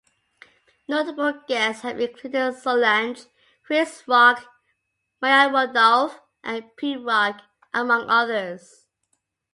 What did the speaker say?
Notable guests have included Solange, Chris Rock, Maya Rudolph, and Pete Rock, among others.